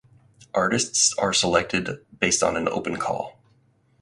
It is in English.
Artists are selected based on an open call.